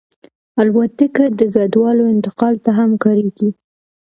الوتکه د کډوالو انتقال ته هم کارېږي.